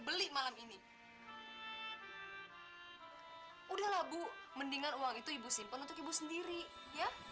sampai jumpa di video selanjutnya